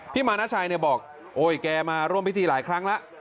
มานาชัยเนี่ยบอกโอ้ยแกมาร่วมพิธีหลายครั้งแล้ว